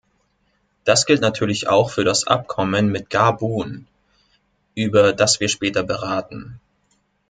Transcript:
Das gilt natürlich auch für das Abkommen mit Gabun, über das wir später beraten.